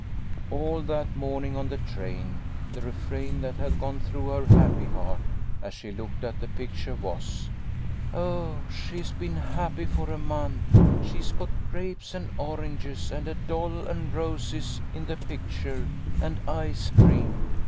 All that morning on the train, the refrain that had gone through her happy heart as she looked at the picture was, " Oh, she's been happy for a month ! She's got grapes and oranges, and a doll, and roses in the picture, and ice cream